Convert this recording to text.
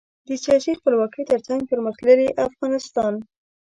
د سیاسي خپلواکۍ ترڅنګ پرمختللي افغانستان.